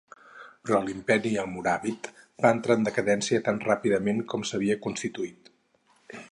Però l'imperi almoràvit va entrar en decadència tan ràpidament com s'havia constituït.